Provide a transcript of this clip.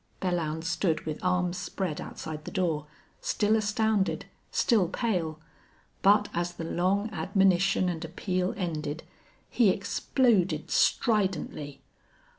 Belllounds stood with arms spread outside the door, still astounded, still pale; but as the long admonition and appeal ended he exploded stridently.